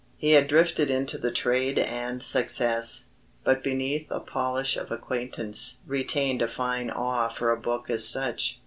He had drifted into the trade and success, but beneath a polish of acquaintance retained a fine awe for a book as such.